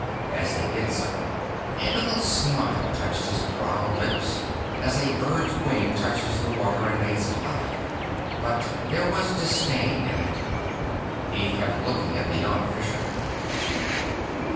As they did so, a little smile touched his proud lips, as a bird's wing touches the water and makes it laugh. But there was disdain in it. He kept looking at the young Fisherman.